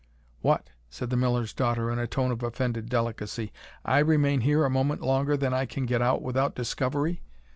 "What!" said the Miller's daughter, in a tone of offended delicacy, "I remain here a moment longer than I can get out without discovery!